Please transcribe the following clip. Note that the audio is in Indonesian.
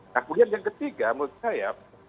nah kemudian yang ketiga menurut saya